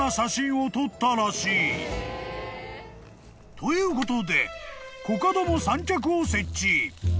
ということでコカドも三脚を設置］